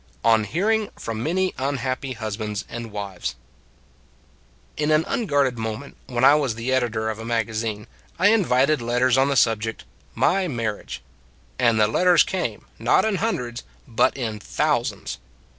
ON HEARING FROM MANY UNHAPPY HUSBANDS AND WIVES IN an unguarded moment, when I was the editor of a magazine, I invited let ters on the subject "My Marriage"; and the letters came, not in hundreds, but in thousands.